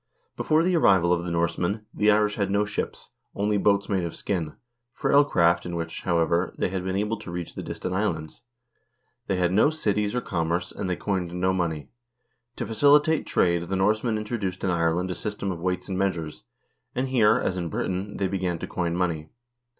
Before the arrival of the Norsemen, the Irish had no ships, only boats made of skin, frail craft in which, however, they had been able to reach the distant islands. They had no cities or commerce, and they coined no money. To facilitate trade, the Norsemen introduced in Ireland a system of weights and measures, and here, as in Britain, they began to coin money.